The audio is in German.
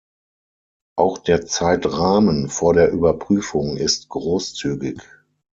Auch der Zeitrahmen vor der Überprüfung ist großzügig.